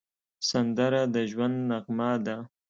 سندره د ژوند نغمه ده